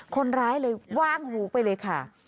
คนร้ายเลยว่างหูไปเลยค่ะ